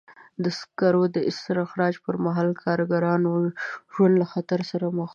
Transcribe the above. د سکرو د استخراج پر مهال د کارګرانو ژوند له خطر سره مخ وي.